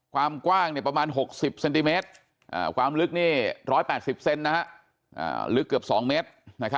ความกว้างประมาณ๖๐เซนติเมตรความลึกนี่๑๘๐เซนลึกเกือบ๒เมตร